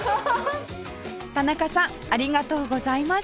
田中さんありがとうございました